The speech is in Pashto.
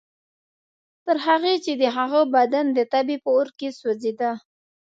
تر هغې چې د هغه بدن د تبې په اور کې سوځېده.